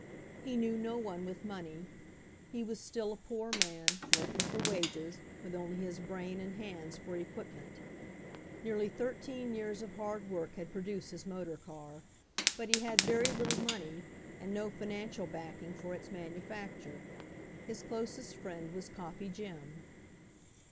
He knew po one with money. He was still a poor man, working for wages, with only his brain and hands for equipment. Nearly thirteen years of hard work had produced his motor car, but he had very little money and no financial back ing for its manufacture. His closest friend was Coffe^Jim.